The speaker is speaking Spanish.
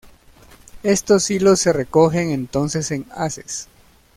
Estos hilos se recogen entonces en haces.